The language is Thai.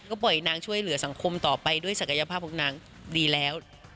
ก็ปล่อยนางช่วยเหลือสังคมต่อไปด้วยศักยภาพของนางดีแล้ว